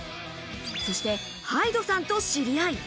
そしてＨＹＤＥさんと知り合い。